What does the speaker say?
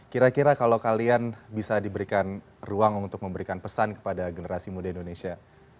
kira kira kalau kalian bisa diberikan ruang untuk memberikan pesan kepada generasi muda indonesia